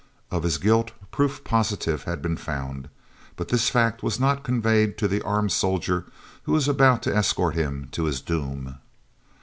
Of his guilt, proof positive had been found, but this fact was not conveyed to the armed soldier who was about to escort him to his doom.